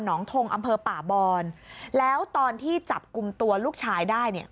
งทงอำเภอป่าบอนแล้วตอนที่จับกลุ่มตัวลูกชายได้เนี่ย